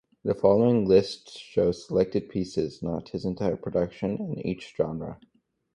The following lists show selected pieces, not his entire production in each genre.